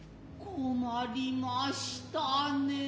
困りましたねえ。